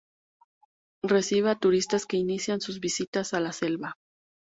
Recibe a turistas que inician sus visitas a la selva.